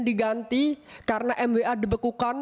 diganti karena mwa dibekukan